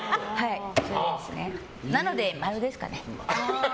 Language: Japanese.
なので、○ですかね。